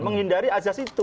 menghindari azas itu